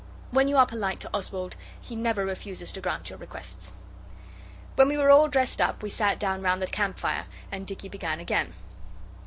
When you are polite to Oswald he never refuses to grant your requests. When we were all dressed up we sat down round the camp fire, and Dicky began again.